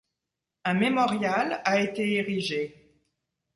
Un mémorial a été érigé.